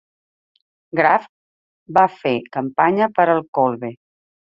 Graf va fer campanya per a Kolbe.